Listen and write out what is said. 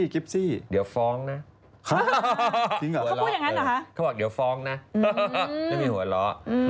เขาบอกเดี๋ยวฟ้องนะไม่มีหัวเราะ